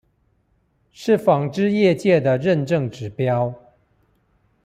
是紡織業界的認證指標